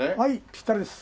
ぴったりです。